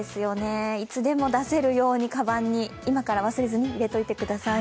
いつでも出せるようにかばんに、今から忘れずに入れておいてください。